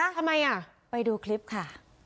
ทำไมอ่ะไปดูคลิปค่ะ